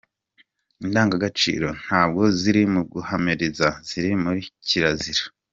Indangagaciro ntabwo ziri mu guhamiriza, ziri muri kirazira.